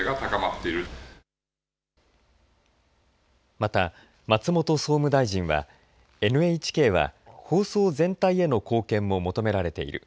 また、松本総務大臣はＮＨＫは放送全体への貢献も求められている。